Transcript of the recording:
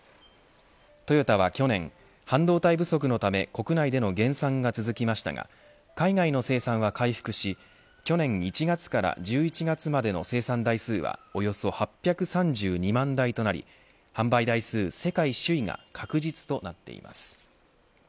トヨタは去年、半導体不足のため国内での減産が続きましたが海外の生産は回復し去年１月から１１月までの生産台数はおよそ８３２万台となり販売台数世界首位が確実となっています。